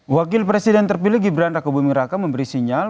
wakil presiden terpilih gibran raka buming raka memberi sinyal